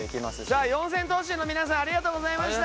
じゃあ四千頭身の皆さんありがとうございました！